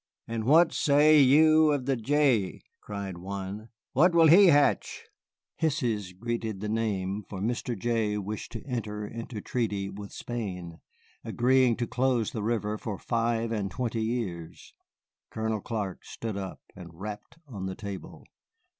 "And what say you of the Jay?" cried one; "what will he hatch?" Hisses greeted the name, for Mr. Jay wished to enter into a treaty with Spain, agreeing to close the river for five and twenty years. Colonel Clark stood up, and rapped on the table.